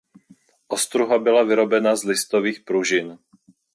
Ostruha byla vyrobena z listových pružin.